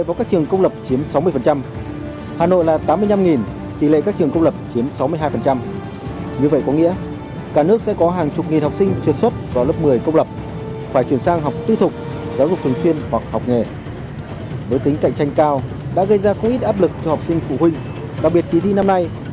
hà nội là tám mươi năm tỷ lệ các trường công lập chiếm sáu mươi hai